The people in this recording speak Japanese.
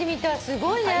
すごいね。